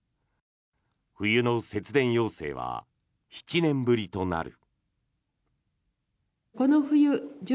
冬の節電要請は７年ぶりとなる。